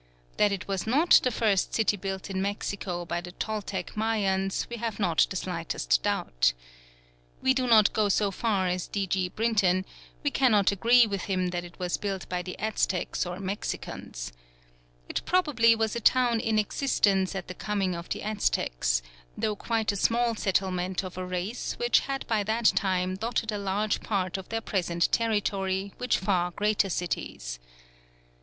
That it was not the first city built in Mexico by the Toltec Mayans we have not the slightest doubt. We do not go so far as D. G. Brinton: we cannot agree with him that it was built by the Aztecs or Mexicans. It probably was a town in existence at the coming of the Aztecs, though quite a small settlement of a race which had by that time dotted a large part of their present territory with far greater cities.